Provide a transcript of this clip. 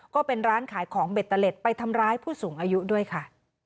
ก็เป็นร้านขายของเบตเตอร์เล็ตไปทำร้ายผู้สูงอายุด้วยค่ะ